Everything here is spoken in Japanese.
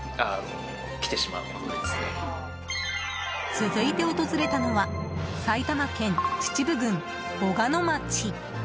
続いて訪れたのは埼玉県秩父郡小鹿野町。